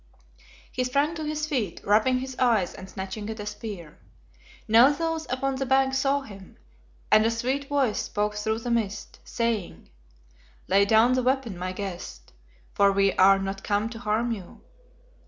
He sprang to his feet, rubbing his eyes and snatching at a spear. Now those upon the bank saw him, and a sweet voice spoke through the mist, saying "Lay down that weapon, my guest, for we are not come to harm you."